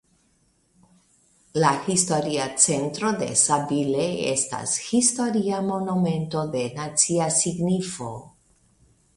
La historia centro de Sabile estas historia monumento de nacia signifo.